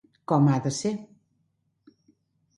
Com ha de ser!